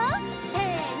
せの！